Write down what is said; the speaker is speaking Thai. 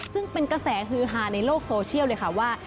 ซึ่งเป็นกระแสฮือฮาในโลกโซเชียลเลยค่ะว่า